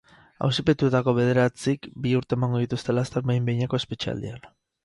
Auzipetuetako bederatzik bi urte emango dituzte laster behin-behineko espetxealdian.